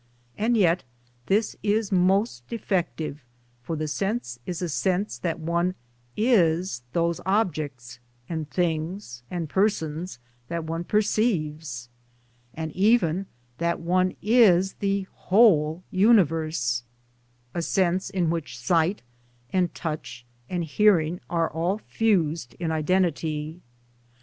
— and yet this is most defective, for the sense is a sense that one is those objects and things and persons that one perceives, (and even that one is the whole universe,) — a sense in which sight and touch and hearing are all fused in identity.